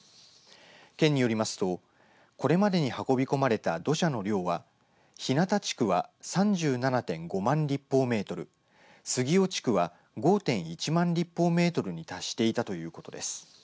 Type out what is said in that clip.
県によりますとこれまでに運び込まれた土砂の量は日向地区は３７．５万立方メートル杉尾地区は５．１万立方メートルに達していたということです。